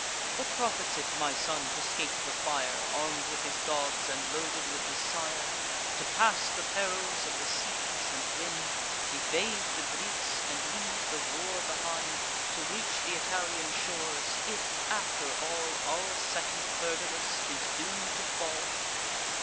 What profits it my son to scape the fire, Arm'd with his gods, and loaded with his sire; To pass the perils of the seas and wind; Evade the Greeks, and leave the war behind; To reach th' Italian shores; if, after all, Our second Pergamus is doom'd to fall?